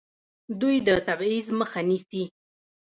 دوی د تبعیض مخه نیسي.